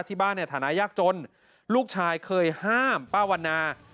ที่บ้านในฐานะยากจนลูกชายเคยห้ามป้าวันนา